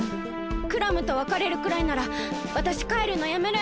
クラムとわかれるくらいならわたしかえるのやめる！